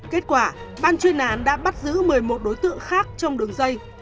kết quả ban chuyên án đã bắt giữ một mươi một đối tượng khác trong đường dây